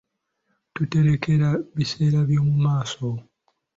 Tuterekera biseera by'omu maaso.